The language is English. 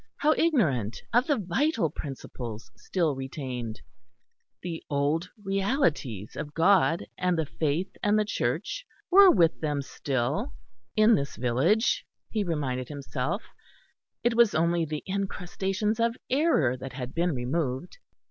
how ignorant of the vital principles still retained! The old realities of God and the faith and the Church were with them still, in this village, he reminded himself; it was only the incrustations of error that had been removed.